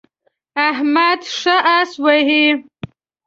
احمد ښه اس وهي.